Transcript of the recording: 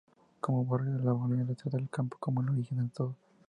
Como Borges, Bolaño retrata el campo como el origen de todo.